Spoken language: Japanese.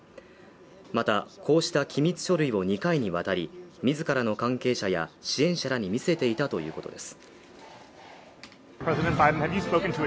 またこうした機密書類を２回にわたり、自らの関係者や支援者らに見せていたということです。